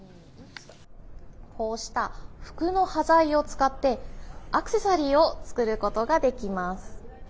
こうした服の端材を使ってアクセサリーを作ることができます。